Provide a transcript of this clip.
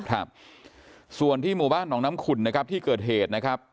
ครับส่วนที่หมู่บ้านหนองน้ำขุ่นนะครับที่เกิดเหตุนะครับ